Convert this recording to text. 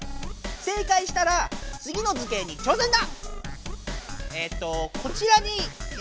正解したらつぎの図形に挑戦だ！